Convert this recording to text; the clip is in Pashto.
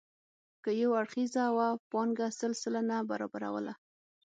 که یو اړخیزه وه پانګه سل سلنه برابروله.